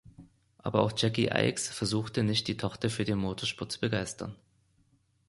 Aber auch Jacky Ickx versuchte nicht, die Tochter für den Motorsport zu begeistern.